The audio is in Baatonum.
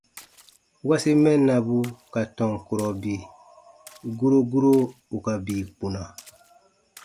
- wasi mɛnnabu ka tɔn kurɔ bii : guro guro ù ka bii kpuna.